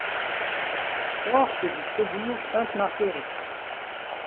Porte du faubourg Sainte-Marguerite.